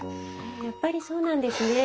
やっぱりそうなんですね。